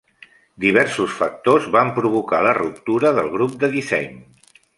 Diversos factors van provocar la ruptura del grup de disseny.